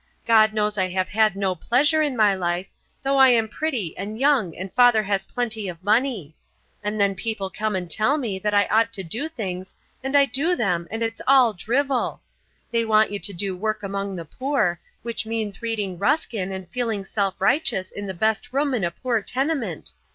God knows I have had no pleasure in my life, though I am pretty and young and father has plenty of money. And then people come and tell me that I ought to do things and I do them and it's all drivel. They want you to do work among the poor; which means reading Ruskin and feeling self righteous in the best room in a poor tenement.